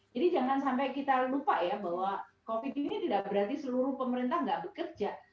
jadi jangan sampai kita lupa ya bahwa covid ini tidak berarti seluruh pemerintah tidak bekerja